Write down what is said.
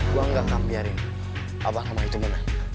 gue nggak akan biarin abang rumah itu menang